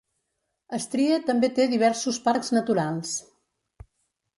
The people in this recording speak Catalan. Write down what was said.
Estrie també té diversos parcs naturals.